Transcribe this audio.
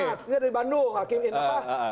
ini mas ini ada di bandung hakim in